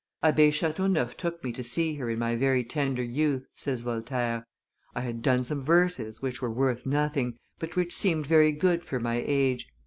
"Abbe Chateauneuf took me to see her in my very tender youth," says Voltaire; "I had done some verses, which were worth nothing, but which seemed very good for my age.